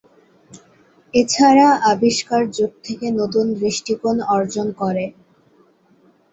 এছাড়া আবিষ্কার যুগ থেকে নতুন দৃষ্টিকোণ অর্জন করে।